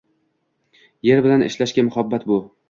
– yer bilan ishlashga muhabbat bu